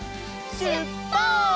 しゅっぱつ！